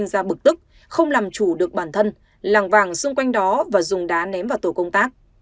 ra bực tức không làm chủ được bản thân làng vàng xung quanh đó và dùng đá ném vào tổ công tác